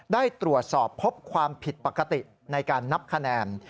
ได้ตรวจสอบพบความผิดปกติในการนับคะแนน